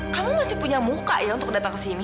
kamu masih punya muka ya untuk datang kesini